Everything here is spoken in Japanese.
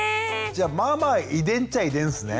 じゃまあまあ遺伝っちゃ遺伝っすね。